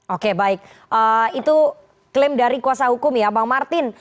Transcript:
oke baik itu klaim dari kuasa hukum ya bang martin